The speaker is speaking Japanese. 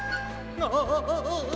ああ！